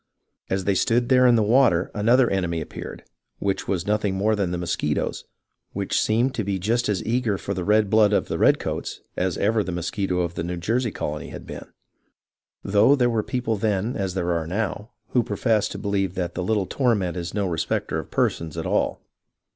As they stood there in the water another enemy appeared, which was nothing more than the mosquitoes, which seemed to be just as eager for the red blood of the red coats as ever the mosquito of the Jersey colony had been, though there were people then as there are now who profess to believe that the little torment is no respecter of persons at all.